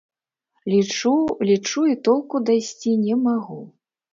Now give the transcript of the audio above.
Лічу, лічу і толку дайсці не магу.